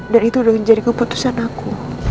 dan itu udah menjadi keputusan aku